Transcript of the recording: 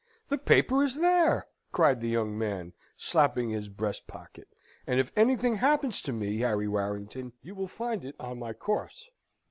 The paper is there," cried the young man, slapping his breast pocket, "and if anything happens to me, Harry Warrington, you will find it on my corse!"